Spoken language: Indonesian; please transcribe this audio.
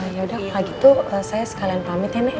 yaudah kak gitu saya sekalian pamit ya nek